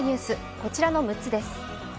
こちらの６つです。